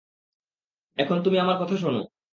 এখন তুমি আমার কথা শোন।